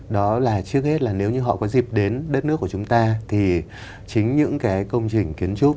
đó là trước hết là nếu như họ có dịp đến đất nước của chúng ta thì chính những cái công trình kiến trúc